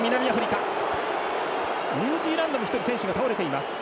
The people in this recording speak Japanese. ニュージーランドも１人選手が倒れています。